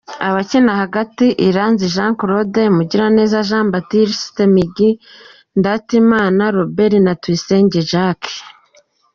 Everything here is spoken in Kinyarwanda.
Abakina hagati: Iranzi Jean Claude, Mugiraneza Jean Baptiste “Migi”, Ndatimana Robert na Tuyisenge Jacques.